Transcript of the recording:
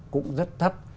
cũng rất thấp